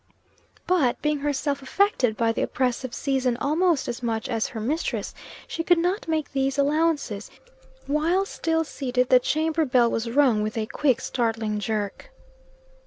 But, being herself affected by the oppressive season almost as much as her mistress, she could not make these allowances. While still seated, the chamber bell was rung with a quick, startling jerk.